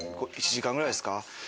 １時間くらいですか？